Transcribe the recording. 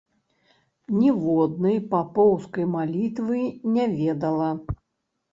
Ніводнай папоўскай малітвы не ведала.